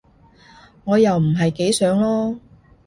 我又唔係幾想囉